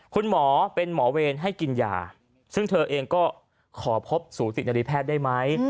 คุณหมอเป็นหมอเวรให้กินยาซึ่งเธอเองก็ขอพบสูตินริแพทย์ได้ไหม